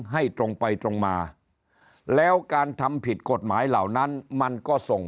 ให้ตรงไปตรงมาแล้วการทำผิดกฎหมายเหล่านั้นมันก็ส่ง